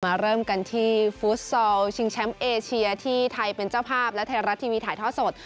เริ่มกันที่ฟุตซอลชิงแชมป์เอเชียที่ไทยเป็นเจ้าภาพและไทยรัฐทีวีถ่ายท่อสด